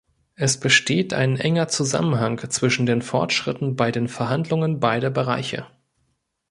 Es besteht ein enger Zusammenhang zwischen den Fortschritten bei den Verhandlungen beider Bereiche.